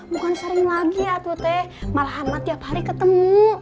bukan sering lagi ya tuteh malahan mah tiap hari ketemu